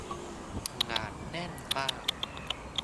งานแน่นมาก